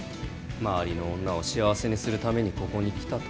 周りの女を幸せにするためにここに来たと。